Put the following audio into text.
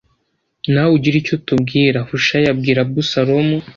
nawe ugire icyo utubwira Hushayi abwira Abusalomu